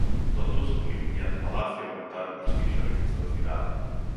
Dotouse dun impoñente palacio e aumentaron o prestixio e a riqueza da cidade.